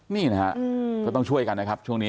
นี่นะฮะก็ต้องช่วยกันนะครับช่วงนี้